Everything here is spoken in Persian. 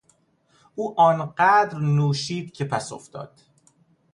او آنقدر نوشید که پسافتاد.